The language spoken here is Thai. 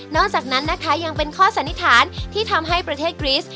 นอกจากนั้นยังเป็นข้อสัณฑิษฐานที่ทำให้ประเทศกรีซ